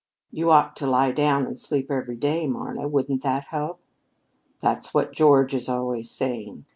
"You ought to lie down and sleep every day, Marna. Wouldn't that help?" "That's what George is always saying.